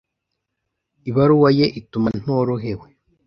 Ibaruwa ye ituma ntorohewe.